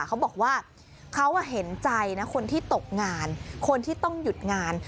เขาบอกว่าเขาเห็นใจนะคนที่ตกงานคนที่ต้องหยุดงาน